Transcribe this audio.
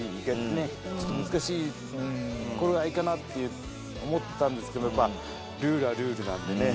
ちょっと難しい頃合いかなって思ったんですけどやっぱルールはルールなんでね